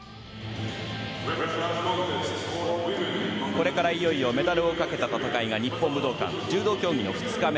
これからいよいよメダルをかけた戦いが日本武道館、柔道競技の２日目。